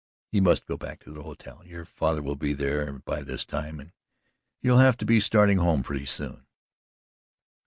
You must go back to the hotel. Your father will be there by this time and you'll have to be starting home pretty soon."